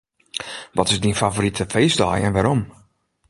Wat is dyn favorite feestdei en wêrom?